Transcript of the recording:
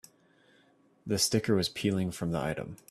The sticker was peeling from the item.